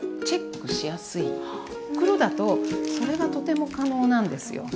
袋だとそれがとても可能なんですよ。